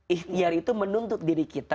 ihtiar itu menuntut diri kita